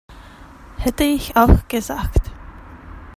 Hätte ich auch gesagt.